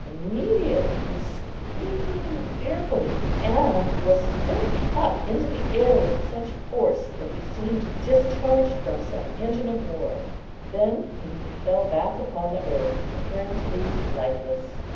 Immediately he screamed fearfully, and was sent up into the air with such force that he seemed discharged from some engine of war: then he fell back upon the earth apparently lifeless.